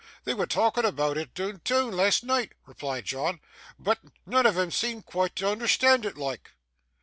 'They were talking aboot it, doon toon, last neeght,' replied John, 'but neane on 'em seemed quite to un'erstan' it, loike.